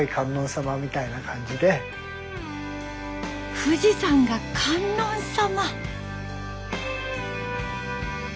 富士山が観音様。